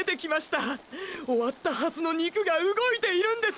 終わったはずの筋肉が動いているんです！！